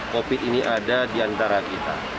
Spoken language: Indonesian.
covid ini ada di antara kita